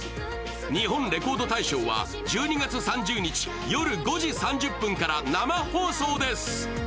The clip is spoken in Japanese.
「日本レコード大賞」は１２月３０日夜５時３０分から、生放送です。